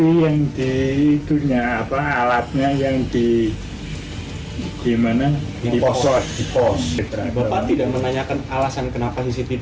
cctv yang di dunia apa alatnya yang di gimana di pos pos tidak menanyakan alasan kenapa cctv